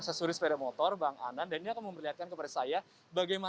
kesini arah lubangnya harus yang pas